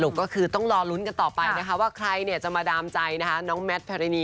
สรุปก็คือต้องรอลุ้นกันต่อไปนะคะว่าใครจะมาดามใจนะฮะน้องแมทแพรนี